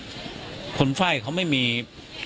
เป็นวันที่๑๕ธนวาคมแต่คุณผู้ชมค่ะกลายเป็นวันที่๑๕ธนวาคม